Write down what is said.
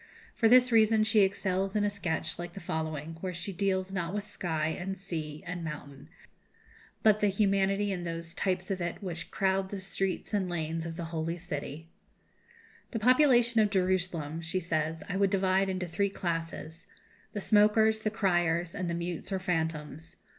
For this reason she excels in a sketch like the following, where she deals not with sky, and sea, and mountain, but the humanity in those types of it which crowd the streets and lanes of the Holy City: "The population of Jerusalem," she says, "I would divide into three classes: the smokers, the criers, and the mutes or phantoms.